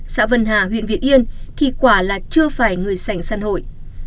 xã vân hà huyện việt yên thì quả là chưa phải người sảnh săn hội